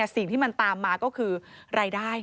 สิ่งที่มันตามมาก็คือรายได้